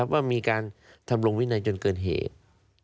ว่ามีการทำลงวินัยจนเกินเหตุ